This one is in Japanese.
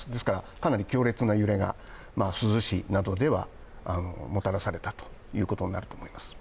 かなり強烈な揺れが珠洲市などではもたらされたということになると思います。